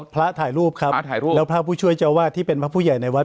ถ่ายรูปครับพระถ่ายรูปแล้วพระผู้ช่วยเจ้าวาดที่เป็นพระผู้ใหญ่ในวัด